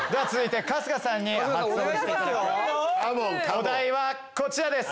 お題はこちらです。